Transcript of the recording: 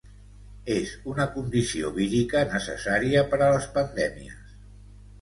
És una condició vírica necessària per a les pandèmies.